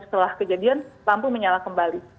setelah kejadian lampu menyala kembali